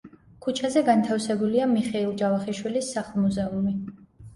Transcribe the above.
ქუჩაზე განთავსებულია მიხეილ ჯავახიშვილის სახლ-მუზეუმი.